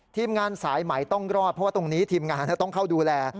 ทีมงานสายไหมต้องรอดเพราะว่าตรงนี้ทีมงานต้องเข้าดูแล